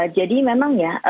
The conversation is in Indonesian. jadi memang ya